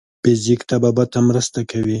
فزیک طبابت ته مرسته کوي.